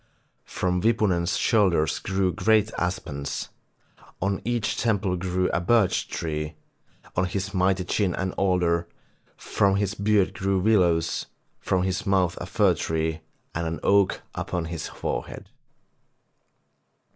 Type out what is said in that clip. From Wipunen's shoulders grew great aspens, on each temple grew a birch tree, on his mighty chin an alder, from his beard grew willows, from his mouth a fir tree, and an oak upon his forehead.